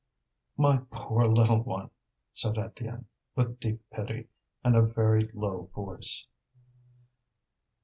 "My poor little one!" said Étienne, with deep pity, in a very low voice.